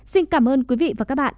xin cảm ơn quý vị và các bạn